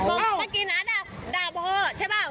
พี่เมื่อกี้น้าด่าโบฮ่ใช่ป่าว